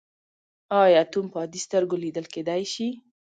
ایا اتوم په عادي سترګو لیدل کیدی شي.